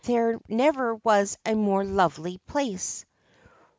There never was a more lovely place.